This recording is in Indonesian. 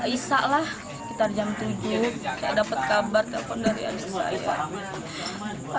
isak lah sekitar jam tujuh saya dapat kabar telepon dari anak saya